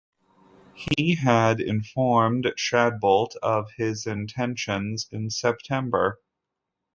He had informed Shadbolt of his intentions in September.